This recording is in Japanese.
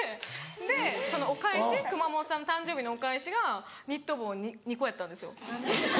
でお返し熊元さんの誕生日のお返しがニット帽２個やったんですよ。